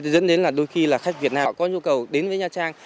dẫn đến là đôi khi là khách việt nào có nhu cầu đến với nha trang